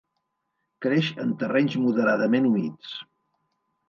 Creix en terrenys moderadament humits.